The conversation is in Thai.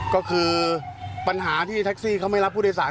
ก็คือปัญหาที่แท็กซี่เขาไม่รับผู้โดยสาร